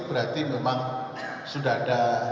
berarti memang sudah ada